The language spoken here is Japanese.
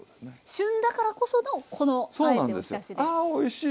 旬だからこそのこのあえておひたしで。